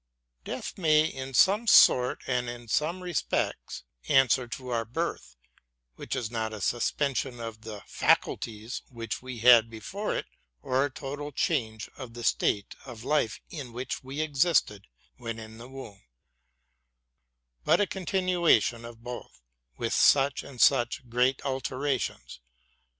Death may in some sort and in some respects answer to our birth, which is not a suspension of the faculties which we had before it, or a total change of the state of life in which we existed when in the womb, but a continuation of both, with such and such great alterations.